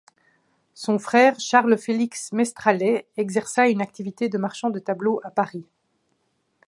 Son frère Charles Félix Mestrallet exerça une activité de marchand de tableaux à Paris.